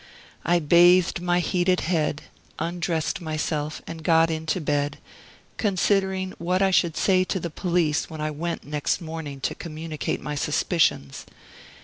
I bathed my heated head, undressed myself, and got into bed, considering what I should say to the police when I went next morning to communicate my suspicions.